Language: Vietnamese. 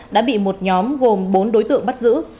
đã bị một nhóm gồm bốn đối tượng bắt giữ